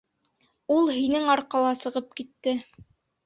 Ул һинең арҡала сығып китте.